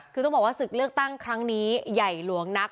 คือต้องบอกว่าศึกเลือกตั้งครั้งนี้ใหญ่หลวงนัก